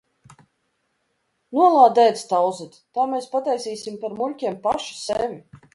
Nolādēts, Tauzet, tā mēs pataisīsim par muļķiem paši sevi?